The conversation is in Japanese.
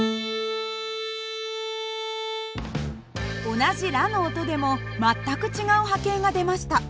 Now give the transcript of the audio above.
同じラの音でも全く違う波形が出ました。